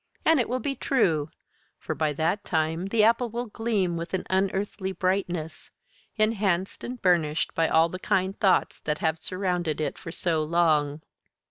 And it will be true, for by that time the apple will gleam with an unearthly brightness, enhanced and burnished by all the kind thoughts that have surrounded it for so long.